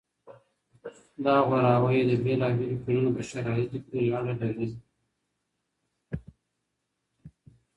دا غوراوی د بیلا بیلو ټولنو په شرایطو پوري اړه لري.